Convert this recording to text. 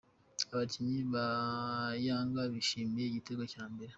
Abakinnyi ba Yanga bishimira igitego cya mbere.